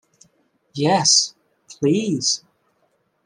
Yes, please.